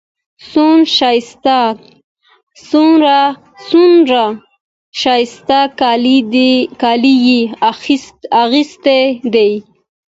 څونه ښایسته کالي يې اغوستي دي.